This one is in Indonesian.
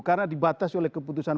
karena dibatas oleh keputusan